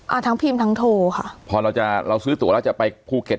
อ่าทั้งพิมพ์ทั้งโทรค่ะพอเราจะเราซื้อตัวแล้วจะไปภูเก็ต